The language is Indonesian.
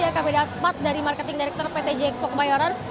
yang kami dapat dari marketing director pt jxpok mayoran